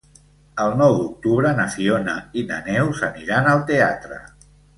El nou d'octubre na Fiona i na Neus aniran al teatre.